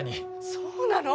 そうなの？